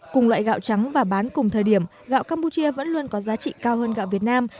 cùng loại gạo trắng và bán cùng thời điểm gạo campuchia vẫn luôn có giá trị cao hơn gạo việt nam